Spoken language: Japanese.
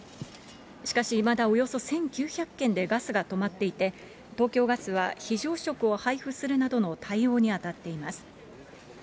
しかし、いまだおよそ１９００軒でガスが止まっていて、東京ガスは、非常食を配布するなどの対応に当たっています。